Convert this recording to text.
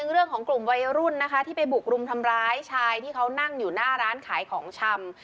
เรื่องของกลุ่มวัยรุ่นนะคะที่ไปบุกรุมทำร้ายชายที่เขานั่งอยู่หน้าร้านขายของชำ